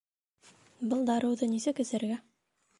Был дарыуҙы нисек эсергә?